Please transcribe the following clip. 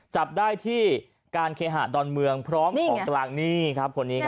จับได้ที่การเคหาดอนเมืองพร้อมของกลางหนี้ครับคนนี้ครับ